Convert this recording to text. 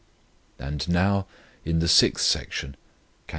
And now in the sixth section (Cant.